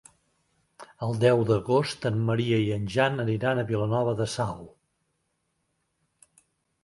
El deu d'agost en Maria i en Jan aniran a Vilanova de Sau.